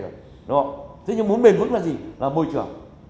đúng không thế nhưng muốn bền vững là gì là môi trường